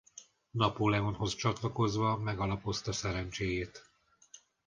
Napóleonhoz csatlakozva megalapozta szerencséjét.